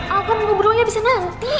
aku mau berburu aja bisa nanti